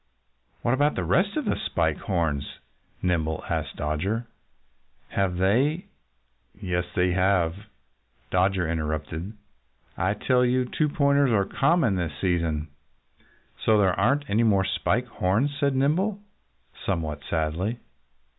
"What about the rest of the Spike Horns?" Nimble asked Dodger. "Have they " "Yes, they have!" Dodger interrupted. "I tell you, 'two pointers' are common this season." "So there aren't any more Spike Horns!" said Nimble somewhat sadly.